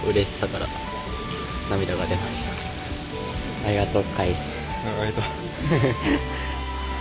ありがとう。